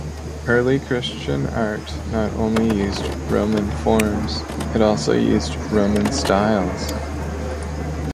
Early Christian art not only used Roman forms, it also used Roman styles.